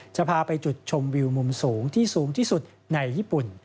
จะพาไปจุดชมวิวมุมสูงที่สูงที่สุดในญี่ปุ่น